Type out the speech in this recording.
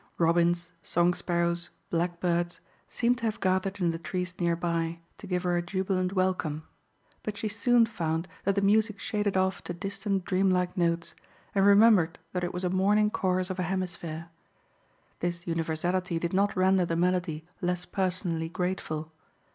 Robins, song sparrows, blackbirds, seemed to have gathered in the trees nearby, to give her a jubilant welcome; but she soon found that the music shaded off to distant, dreamlike notes, and remembered that it was a morning chorus of a hemisphere. This universality did not render the melody less personally grateful.